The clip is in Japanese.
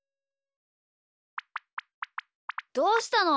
どうしたの？